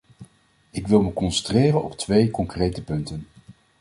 Ik wil me concentreren op twee concrete punten.